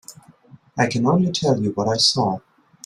I can only tell you what I saw.